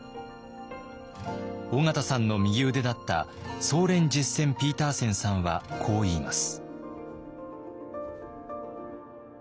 緒方さんの右腕だったソーレン・ジェッセン・ピーターセンさんはこう言います。